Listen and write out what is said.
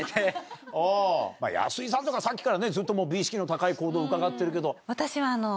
安井さんとかさっきからずっと美意識の高い行動を伺ってるけど。